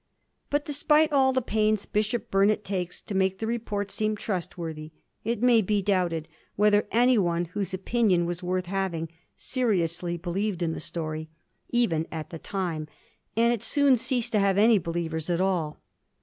But despite all the pains Bishop Burnet takes to make the report seem trustworthy, it may be doubted whether any one whose opinion was worth having seriously believed in the story, even at the time, and it soon ceased to have any believers at all.